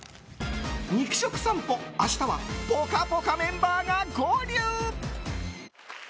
肉食さんぽ明日は「ぽかぽか」メンバーが合流！